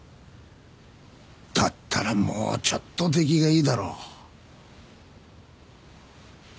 だったらもうちょっと出来がいいだろ。